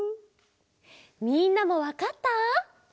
みんなもわかった？